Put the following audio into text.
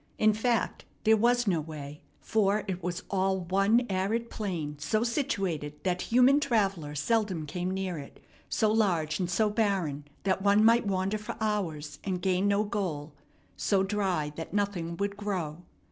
In fact, there was no way, for it was all one arid plain so situated that human traveller seldom came near it, so large and so barren that one might wander for hours and gain no goal, so dry that nothing would grow.